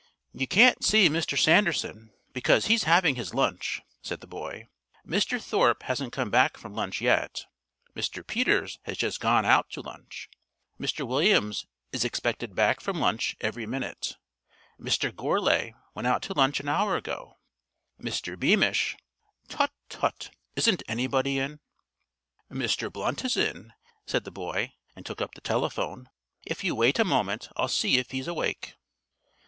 "You can't see Mr. Sanderson, because he's having his lunch," said the boy. "Mr. Thorpe hasn't come back from lunch yet, Mr. Peters has just gone out to lunch, Mr. Williams is expected back from lunch every minute, Mr. Gourlay went out to lunch an hour ago, Mr. Beamish " "Tut, tut, isn't anybody in?" "Mr. Blunt is in," said the boy, and took up the telephone. "If you wait a moment I'll see if he's awake."